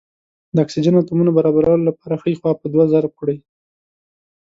د اکسیجن اتومونو برابرولو لپاره ښۍ خوا په دوه ضرب کړئ.